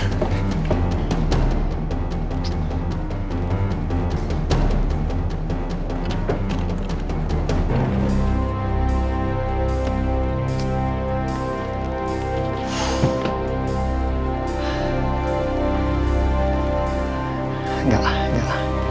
enggak lah enggak lah